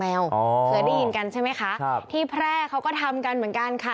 เคยได้ยินกันใช่ไหมคะครับที่แพร่เขาก็ทำกันเหมือนกันค่ะ